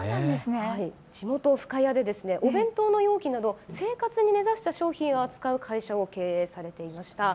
地元、深谷でお弁当の容器など生活に根ざした商品を扱う会社を経営されていました。